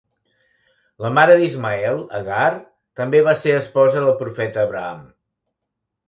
La mare d'Ismael, Agar, també va ser esposa del profeta Abraham.